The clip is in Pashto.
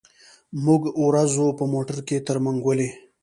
موږ ورځو په موټر کي تر منګلي.